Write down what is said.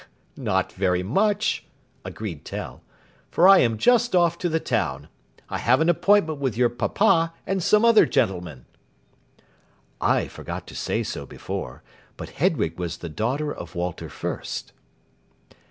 "Not very much," agreed Tell, "for I am just off to the town. I have an appointment with your papa and some other gentlemen." (I forgot to say so before, but Hedwig was the daughter of Walter Fürst.)